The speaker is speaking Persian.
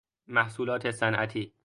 محصولات صنعتی